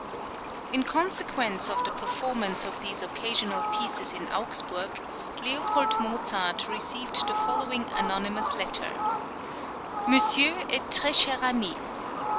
In consequence of the performance of these occasional pieces in Augsburg, L. Mozart received the following anonymous letter: "Monsieur et très cher ami!